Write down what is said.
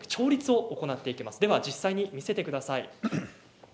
実際に見せてください。